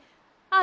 あ！